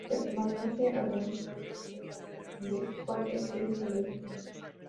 Pertenece al municipio de Capela, del cual es sede del Ayuntamiento.